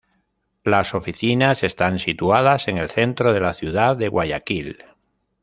Las oficinas están situadas en el centro de la ciudad de Guayaquil.